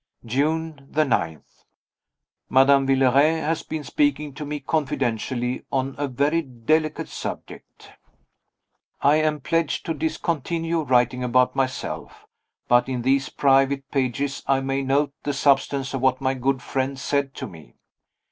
June 9. Madame Villeray has been speaking to me confidentially on a very delicate subject. I am pledged to discontinue writing about myself. But in these private pages I may note the substance of what my good friend said to me.